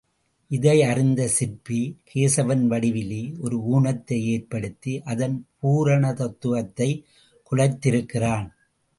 இதை அறிந்த சிற்பி, கேசவன் வடிவிலே ஒரு ஊனத்தை ஏற்படுத்தி, அதன் பூரணத்துவத்தைக் குலைத்திருக்கிறான்.